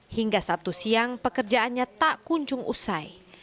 hingga sabtu siang pekerjaannya tak kunjung usai